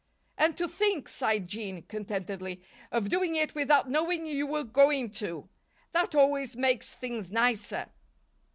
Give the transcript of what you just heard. "And to think," sighed Jean, contentedly, "of doing it without knowing you were going to! That always makes things nicer."